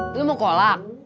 lo mau kolak